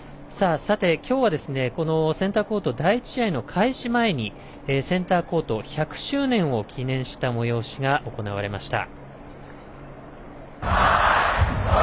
きょうは、このセンターコート第１試合の開始前にセンターコート１００周年を記念した催しが行われました。